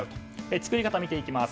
作り方を見ていきます。